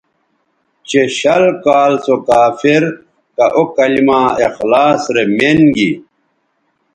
چہ شل کال سو کافر کہ او کلما اخلاص رے مین گی